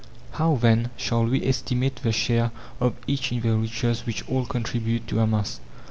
How then, shall we estimate the share of each in the riches which ALL contribute to amass?